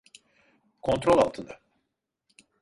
Kontrol altında.